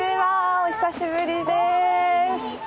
お久しぶりです。